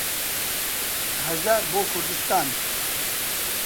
هەژار بۆ کوردستان